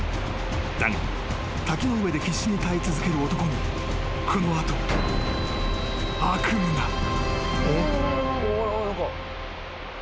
［だが滝の上で必死に耐え続ける男にこの後悪夢が］